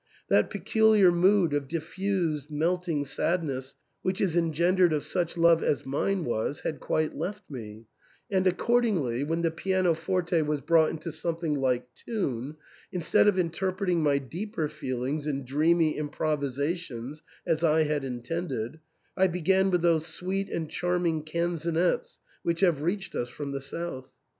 That peculiar mood of diffused melting sadness which is engendered of such love as mine was had quite left me ; and ac cordingly, when the pianoforte was brought into some thing like tune, instead of interpreting my deeper feel ings in dreamy improvisations, as I had intended, I began with those sweet and charming canzonets which have reached us from the South.